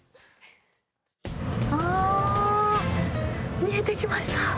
ああ、見えてきました。